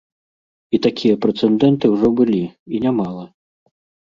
І такія прэцэдэнты ўжо былі, і нямала.